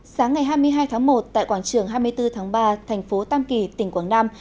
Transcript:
sáng ngày hai mươi hai tháng một tại quảng trường hai mươi bốn tháng ba thành phố tam kỳ tỉnh quảng nam